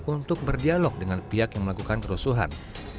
untuk berdialog dengan pihak yang melakukan kerusuhan